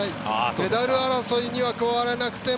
メダル争いには加われなくても